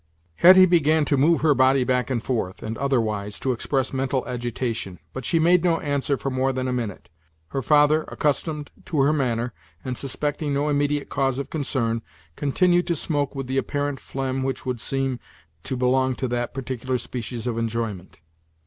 Hetty began to move her body back and forth, and other wise to express mental agitation; but she made no answer for more than a minute. Her father, accustomed to her manner, and suspecting no immediate cause of concern, continued to smoke with the apparent phlegm which would seem to belong to that particular species of enjoyment.